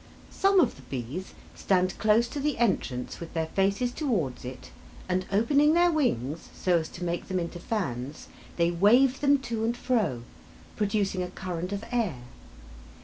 Some of the bees stand close to the entrance, with their faces towards it, and opening their wings, so as to make them into fans, they wave them to and fro, producing a current of air.